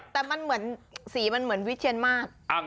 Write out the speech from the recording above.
แต่มันเหมือนสีมันเหมือนวิเชียนมาส